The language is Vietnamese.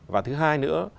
và thứ hai nữa